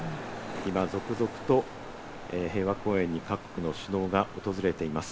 今、続々と平和公園に各国の首脳が訪れています。